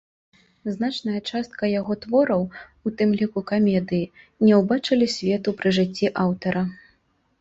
Значная частка яго твораў, у тым ліку камедыі, не ўбачылі свету пры жыцці аўтара.